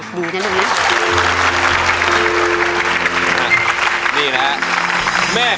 เพลงที่๖นะครับ